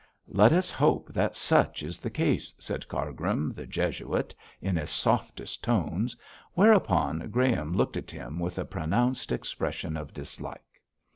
'Let us hope that such is the case,' said Cargrim, the Jesuit, in his softest tones, whereupon Graham looked at him with a pronounced expression of dislike.